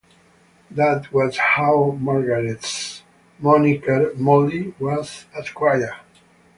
That was how Margaret's moniker "Molly" was acquired.